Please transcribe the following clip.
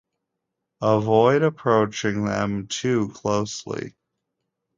Avoid approaching them too closely.